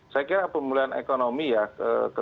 saya kira pemulihan ekonomi ya